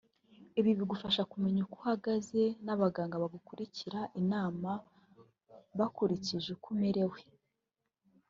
Ibi bigufasha kumenya uko uhagaze n’abaganga bakakugira inama bakurikije uko umerewe